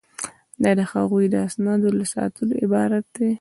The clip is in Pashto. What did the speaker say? دا د هغوی د اسنادو له ساتلو عبارت ده.